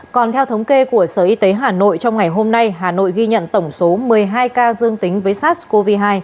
còn theo thống kê của sở y tế hà nội trong ngày hôm nay hà nội ghi nhận tổng số một mươi hai ca dương tính với sars cov hai